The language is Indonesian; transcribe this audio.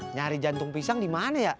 nyari jantung pisang di mana ya